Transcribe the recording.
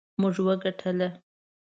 موږ وګټله